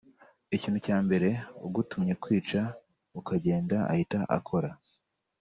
Ikintu cya mbere ugutumye kwica ukagenda ahita akora